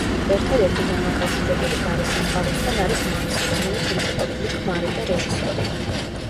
ერთადერთი დამაკავშირებელი გარესამყაროსთან არის მაქსი, რომელიც მისი ყოფილი ქმარი და რეჟისორია.